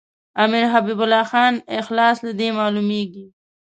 امیر حبیب الله خان اخلاص له دې معلومیږي.